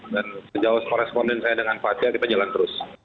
dan sejauh koresponden saya dengan fadli akan jalan terus